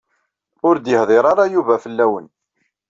Ur d-yehdir ara Yuba fell-awen.